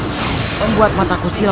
saya akan membuat mataku silakan